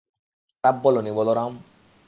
খারাপ বলোনি, বলরাম।